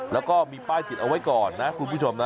แล้วก็มีป้ายติดเอาไว้ก่อนนะคุณผู้ชมนะ